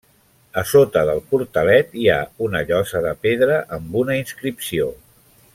A sota del portalet hi ha una llosa de pedra amb una inscripció.